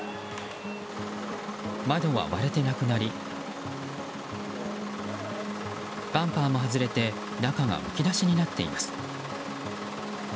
窓は割れてなくなりバンパーも外れて中がむき出しになっています。